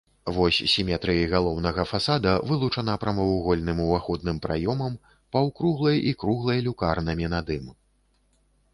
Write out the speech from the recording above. Вось сіметрыі галоўнага фасада вылучана прамавугольным уваходным праёмам, паўкруглай і круглай люкарнамі над ім.